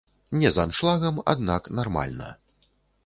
Не з аншлагам, аднак нармальна.